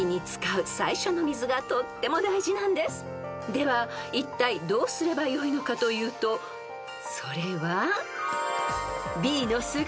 ［ではいったいどうすればよいのかというとそれは］